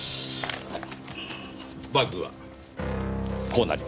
バッグはこうなります。